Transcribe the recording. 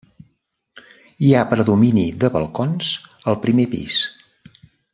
Hi ha predomini de balcons al primer pis.